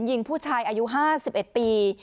ยิงผู้ชายอายุ๕๑ปี